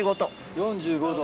４５度。